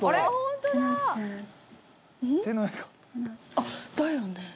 うん？あっだよね。